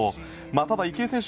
ただ池江選手